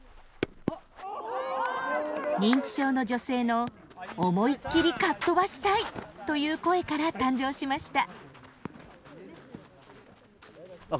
認知症の女性の思いっきりかっ飛ばしたいという声から誕生しました。